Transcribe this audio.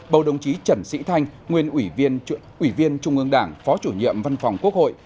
bầu đồng chí trần sĩ thanh nguyên ủy viên trung ương đảng phó chủ nhiệm văn phòng quốc hội